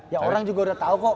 ya orang juga udah tahu kok